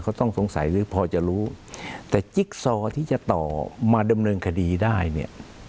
เขาต้องสงสัยหรือพอจะรู้แต่จิ๊กซอที่จะต่อมาดำเนินคดีได้เนี่ย